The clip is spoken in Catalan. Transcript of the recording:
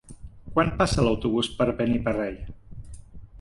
Quan passa l'autobús per Beniparrell?